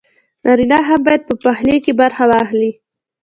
نارينه هم بايد په پخلي کښې برخه واخلي